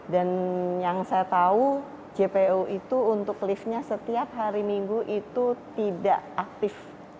yang saya tahu jpo itu untuk liftnya setiap hari minggu itu tidak aktif